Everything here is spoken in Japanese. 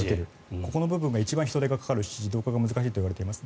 ここの部分が一番人手がかかるし自動化が難しいといわれています。